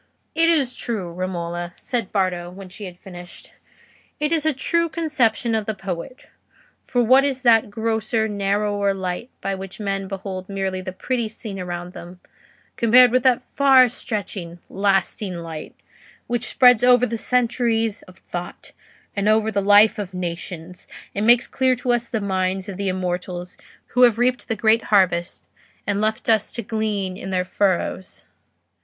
"It is true, Romola," said Bardo, when she had finished; "it is a true conception of the poet; for what is that grosser, narrower light by which men behold merely the petty scene around them, compared with that far stretching, lasting light which spreads over centuries of thought, and over the life of nations, and makes clear to us the minds of the immortals who have reaped the great harvest and left us to glean in their furrows?